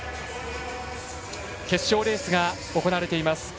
決勝レースが行われています。